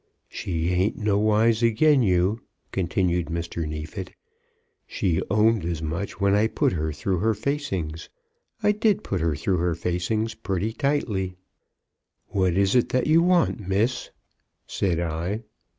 "She ain't nowise again you," continued Mr. Neefit. "She owned as much when I put her through her facings. I did put her through her facings pretty tightly. 'What is it that you want, Miss?' said I.